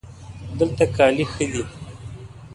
دلته کالي ښه دي